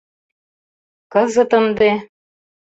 Кызыт ынде